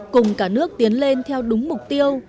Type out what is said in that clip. cùng cả nước tiến lên theo đúng mục tiêu